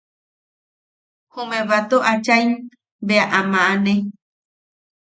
Jume batoo achaiwam bea a maʼane.